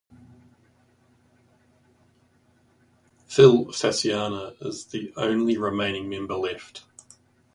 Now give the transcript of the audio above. Phil Fasciana is the only remaining member left.